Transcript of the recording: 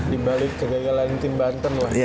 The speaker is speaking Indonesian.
dibalik kegagalan tim banten lah ya